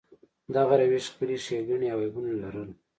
دغه روش خپلې ښېګڼې او عیبونه لرل.